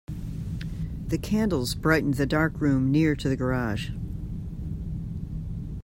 The candles brightened the dark room near to the garage.